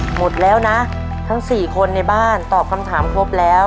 หมดแล้วนะทั้ง๔คนในบ้านตอบคำถามครบแล้ว